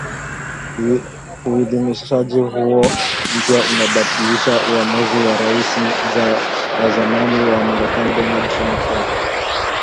Uidhinishaji huo mpya unabatilisha uamuzi wa Raisi wa zamani wa Marekani Donald Trump wa